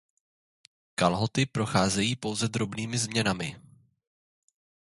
Kalhoty procházejí pouze drobnými změnami.